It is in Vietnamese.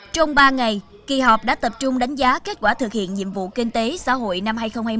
trong ba ngày kỳ họp đã tập trung đánh giá kết quả thực hiện nhiệm vụ kinh tế xã hội năm hai nghìn hai mươi